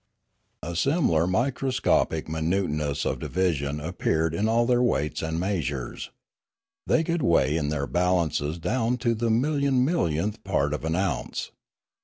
A similar microscopic minuteness of division appeared in all their weights and measures. They could weigh in their balances down to the million millionth part of an ounce.